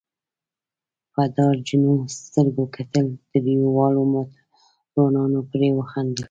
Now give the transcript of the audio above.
په ډار جنو سترګو کتل، دریو واړو موټروانانو پرې وخندل.